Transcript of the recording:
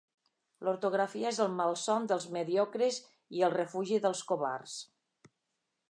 L'ortografia és el malson dels mediocres i el refugi dels covards.